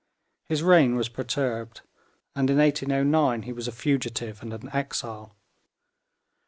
His reign was perturbed, and in 1809 he was a fugitive and an exile.